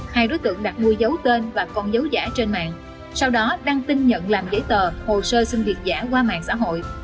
hai đối tượng đặt mua dấu tên và con dấu giả trên mạng sau đó đăng tin nhận làm giấy tờ hồ sơ xin việc giả qua mạng xã hội